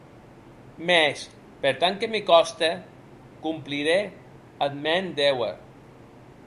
Mès, per tant que me còste, complirè eth mèn déuer.